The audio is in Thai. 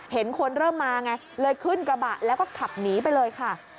เห็นคนเริ่มมาไงเลยขึ้นกระบะแล้วก็ขับหนีไปเลยค่ะ